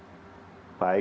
upaya yang dilakukan kejaksaan